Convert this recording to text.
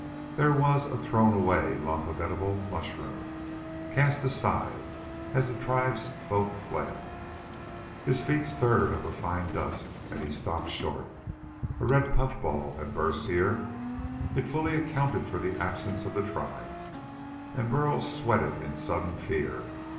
There was a thrown away lump of edible mushroom, cast aside as the tribesfolk fled. His feet stirred up a fine dust, and he stopped short. A red puffball had burst here. It fully accounted for the absence of the tribe, and Burl sweated in sudden fear.